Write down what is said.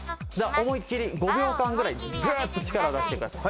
おもいっきり５秒間ぐらいグーッと力を出してください。